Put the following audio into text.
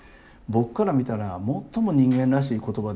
僕から見たら最も人間らしい言葉ですよ